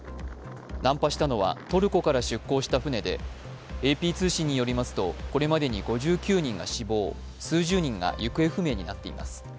難破したのはトルコから出航した船でＡＰ通信によりますと、これまでに５９人が死亡、数十人が行方不明になっています。